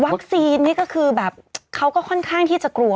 นี่ก็คือแบบเขาก็ค่อนข้างที่จะกลัว